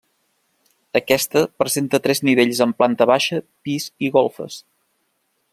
Aquesta, presenta tres nivells amb planta baixa, pis i golfes.